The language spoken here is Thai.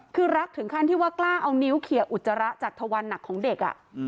คือรักถึงขั้นที่ว่ากล้าเอานิ้วเคลียร์อุจจาระจากทวันหนักของเด็ก